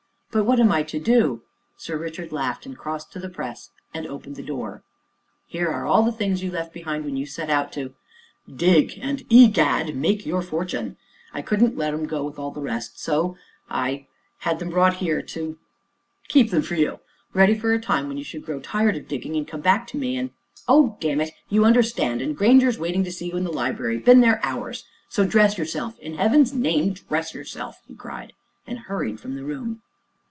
"But what am I to do?" Sir Richard laughed, and, crossing to the press, opened the door. "Here are all the things you left behind you when you set out to dig, and egad! make your fortune. I couldn't let 'em go with all the rest so I er had 'em brought here, to er to keep them for you ready for the time when you should grow tired of digging, and come back to me, and er oh, dammit! you understand and Grainger's waiting to see you in the library been there hours so dress yourself. In Heaven's name, dress yourself!" he cried, and hurried from the room.